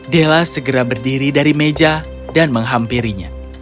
della segera berdiri dari meja dan menghampirinya